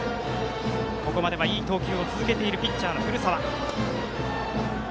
ここまでいい投球を続けているピッチャーの古澤。